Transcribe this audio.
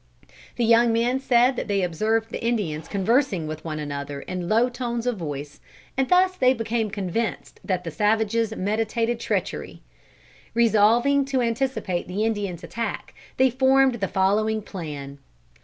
The young men said that they observed the Indians conversing with one another in low tones of voice, and thus they became convinced that the savages meditated treachery. Resolving to anticipate the Indians' attack, they formed the following plan.